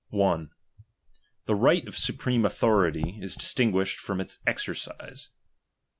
]. The right of supreme authority is distinguished from its exer cise.